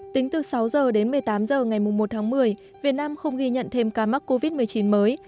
tính từ sáu h đến một mươi tám h ngày một tháng một mươi việt nam không ghi nhận thêm ca mắc covid một mươi chín mới